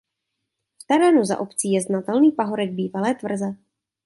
V terénu za obcí je znatelný pahorek bývalé tvrze.